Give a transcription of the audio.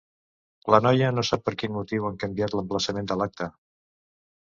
La noia no sap per quin motiu han canviat l'emplaçament de l'acte.